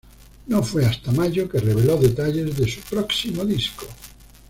No fue hasta mayo que reveló detalles de su próximo disco.